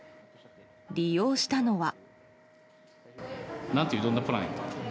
利用したのは。